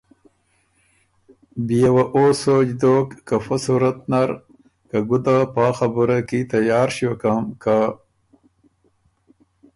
بيې وه اوسوچ دوک که فۀ صورت نر، که ګُده پا خبُره کی تیار ݭیوکم، که